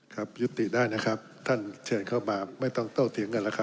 ครับยุติได้นะครับท่านเชิญเข้ามาไม่ต้องโตเถียงกันแล้วครับ